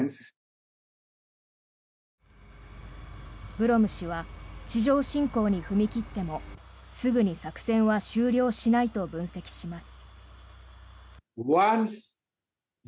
ブロム氏は地上侵攻に踏み切ってもすぐに作戦は終了しないと分析します。